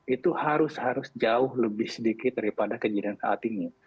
itu harus jauh lebih sedikit daripada kejadian saat ini